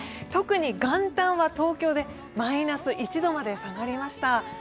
特に元旦は東京でマイナス１度まで下がりました。